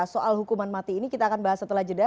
soal hukuman mati ini kita akan bahas setelah jeda